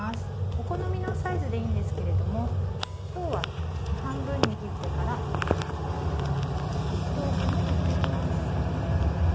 お好みのサイズでいいんですけれども今日は半分に切ってから６等分に切ってみます。